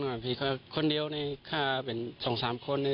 คือคนเดียวนี่ถ้าเป็น๒๓คน